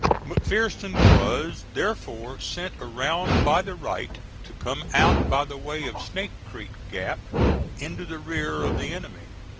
McPherson was therefore sent around by the right, to come out by the way of Snake Creek Gap into the rear of the enemy.